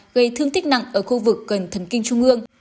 gây thương tích nặng ở khu vực cần thần kinh trung ương